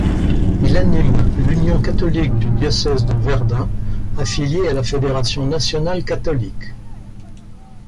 Il anime l'Union catholique du diocèse de Verdun, affiliée à la Fédération nationale catholique.